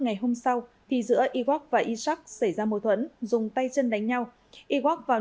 ngày hôm sau thì giữa iwak và isak xảy ra mâu thuẫn dùng tay chân đánh nhau iwak vào